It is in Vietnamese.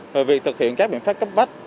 về việc thực hiện các biện pháp cấp bách